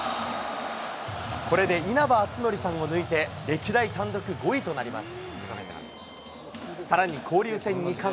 これで稲葉篤紀さんを抜いて、歴代単独５位となります。